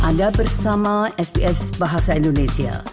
anda bersama sps bahasa indonesia